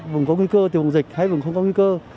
vùng có nguy cơ từ vùng dịch hay vùng không có nguy cơ